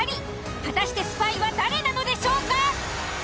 果たしてスパイは誰なのでしょうか？